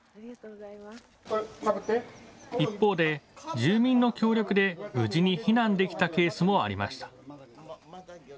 一方で住民の協力で無事に避難できたケースもありました。